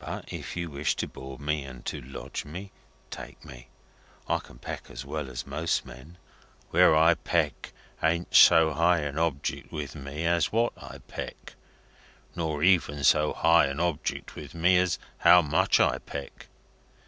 But if you wish to board me and to lodge me, take me. I can peck as well as most men. Where I peck ain't so high a object with me as What I peck. Nor even so high a object with me as How Much I peck.